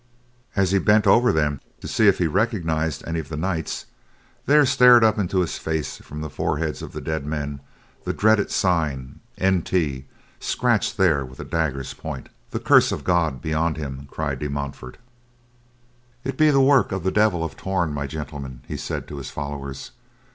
As he bent over them to see if he recognized any of the knights, there stared up into his face from the foreheads of the dead men the dreaded sign, NT, scratched there with a dagger's point. "The curse of God be on him!" cried De Montfort. "It be the work of the Devil of Torn, my gentlemen," he said to his followers.